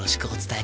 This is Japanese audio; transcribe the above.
え？